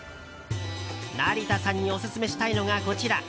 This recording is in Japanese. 成田さんにオススメしたいのがこちら！